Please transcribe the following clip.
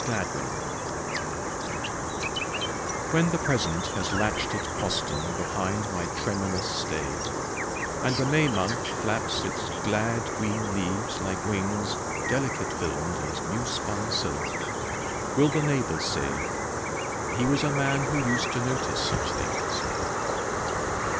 AFTERWARDS WHEN the Present has latched its postern behind my tremulous stay, And the May month flaps its glad green leaves like wings, Delicate filmed as new spun silk, will the neighbours say, "He was a man who used to notice such things"?